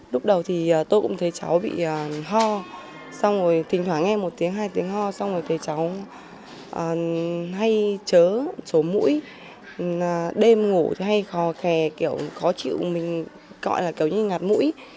lúc đầu thì tôi cũng thấy cháu bị ho xong rồi thỉnh thoảng nghe một tiếng hai tiếng ho xong rồi thấy cháu hay chớ mũi đêm ngủ hay khó khè kiểu khó chịu mình gọi là cấu như ngạt mũi